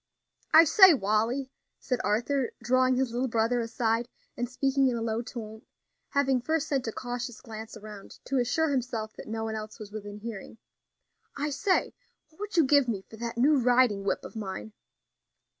"I say, Wally," said Arthur, drawing his little brother aside and speaking in a low tone, having first sent a cautious glance around to assure himself that no one else was within hearing; "I say, what would you give me for that new riding whip of mine?"